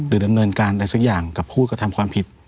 ดำเนินการอะไรสักอย่างกับผู้กระทำความผิด